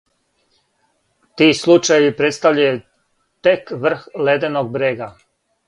Ти случајеви представљају тек врх леденог брега.